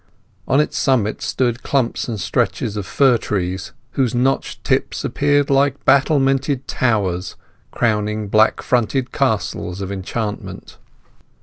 On its summit stood clumps and stretches of fir trees, whose notched tips appeared like battlemented towers crowning black fronted castles of enchantment.